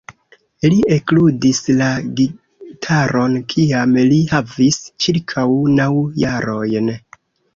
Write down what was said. Li ekludis la gitaron kiam li havis ĉirkaŭ naŭ jarojn.